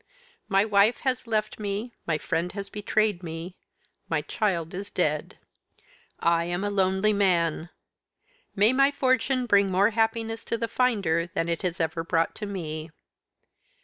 "My wife has left me, my friend has betrayed me; my child is dead. "I am a lonely man. "May my fortune bring more happiness to the finder than it has ever brought to me.